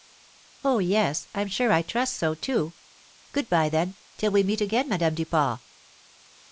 "Oh, yes, I'm sure I trust so, too. Good bye, then, till we meet again, Madame Duport."